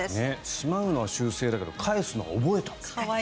しまうのは習性だけど返すのは覚えた。